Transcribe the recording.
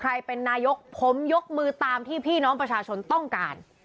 ใครเป็นนายกผมยกมือตามนายกประชาชนต้องการ